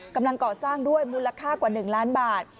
กำลังก่อสร้างด้วยมูลค่ากว่า๑ล้านบาท